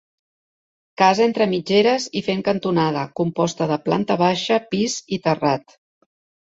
Casa entre mitgeres i fent cantonada, composta de planta baixa, pis i terrat.